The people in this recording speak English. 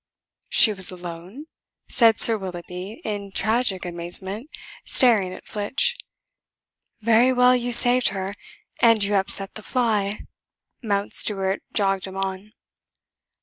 "She was alone?" said Sir Willoughby in tragic amazement, staring at Flitch. "Very well, you saved her, and you upset the fly," Mountstuart jogged him on.